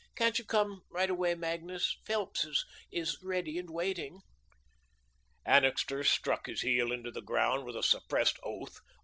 Can't you come right away, Magnus? Phelps is ready and waiting." Annixter struck his heel into the ground with a suppressed oath.